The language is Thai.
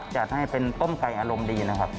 จัดให้เป็นต้มไก่อารมณ์ดีนะครับ